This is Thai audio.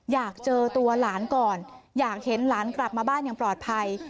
อยากเจอตัวหลานก่อนอยากเห็นหลานกลับมาบ้านอย่างปลอดภัย